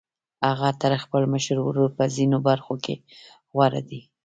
هغه تر خپل مشر ورور په ځينو برخو کې غوره دی.